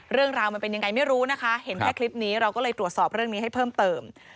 เรื่องราวมันเป็นยังไงไม่รู้นะคะเห็นแค่คลิปนี้เราก็เลยตรวจสอบเรื่องนี้ให้เพิ่มเติม